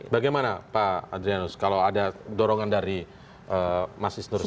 bagaimana pak adrianus kalau ada dorongan dari mahasiswa seperti itu